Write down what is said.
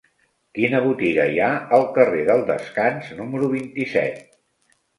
Quina botiga hi ha al carrer del Descans número vint-i-set?